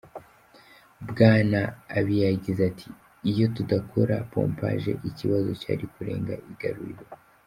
Bwana Abiy yagize ati: "Iyo tudakora pompaje iki kibazo cyari kurenga igaruriro.